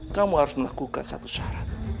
kamu harus melakukan satu syarat